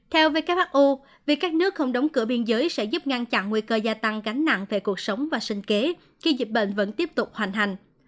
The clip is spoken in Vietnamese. theo who việc các nước không đóng cửa biên giới sẽ giúp ngăn chặn nguy cơ gia tăng gánh nặng về cuộc sống và sinh kế khi dịch bệnh vẫn tiếp tục hoàn thành